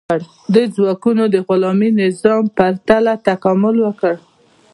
دې ځواکونو د غلامي نظام په پرتله تکامل وکړ.